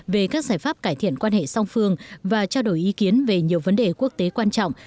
về các giải pháp cải thiện quan hệ song phương và trao đổi ý kiến về nhiều vấn đề quốc tế quan trọng